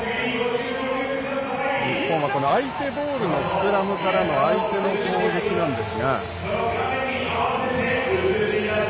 日本は相手ボールのスクラムから相手の攻撃です。